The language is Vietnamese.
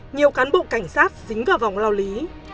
nhiều cán bộ cảnh sát dính vào vòng lao lý